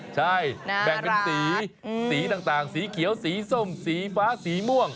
ใช่แบ่งเป็นสีสีต่างสีเขียวสีส้มสีฟ้าสีม่วง